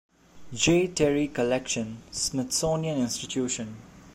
J. Terry Collection, Smithsonian Institution.